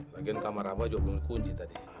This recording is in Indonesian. lagian kamar abah juga belum ada kunci tadi